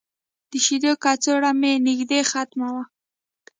د شیدو کڅوړه مې نږدې ختمه وه.